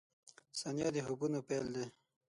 • ثانیه د خوبونو پیل دی.